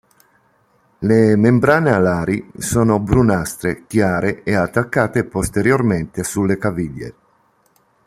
Le membrane alari sono brunastre chiare e attaccate posteriormente sulle caviglie.